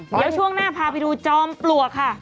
เดี๋ยวช่วงหน้าพาไปดูจอมปลวกค่ะ